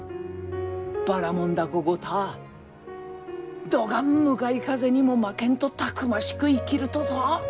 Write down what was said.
ばらもん凧ごたぁどがん向かい風にも負けんとたくましく生きるとぞ。